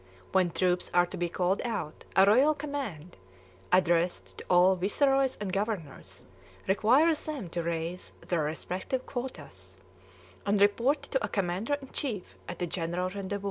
When troops are to be called out, a royal command, addressed to all viceroys and governors, requires them to raise their respective quotas, and report to a commander in chief at a general rendezvous.